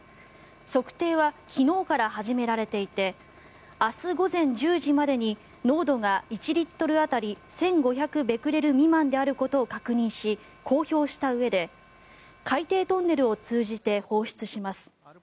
測定は昨日から始められていて明日午前１０時までに濃度が１リットル当たり１５００ベクレル未満であることを確認し公表したうえで海底トンネルを通じて放出します。